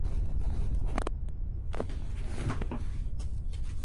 La historia de los seminarios sacerdotales católicos es relativamente reciente.